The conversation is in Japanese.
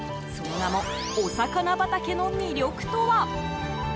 その名も、おさかな畑の魅力とは？